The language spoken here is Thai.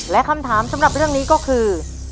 และคำถามสำหรับเรื่องนี้ก็คือ